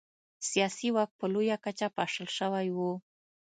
سیاسي واک په لویه کچه پاشل شوی و.